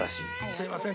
すいません。